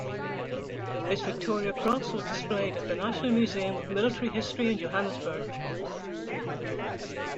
His Victoria Cross was displayed at the National Museum of Military History in Johannesburg.